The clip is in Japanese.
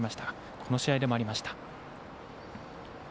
この試合でも、ありました。